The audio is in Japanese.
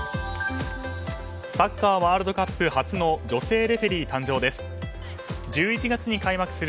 サッカーワールドカップ初の女性レフェリー誕生です。